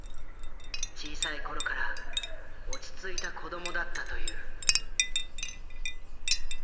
小さい頃から落ち着いた子どもだったという。